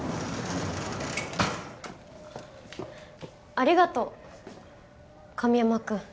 ありがとう神山くん